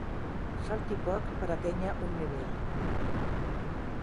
Falti poc per atènyer un nivell.